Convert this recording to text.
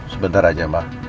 sebentar aja pah